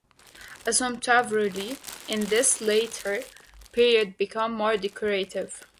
Asomtavruli in this later period became more decorative.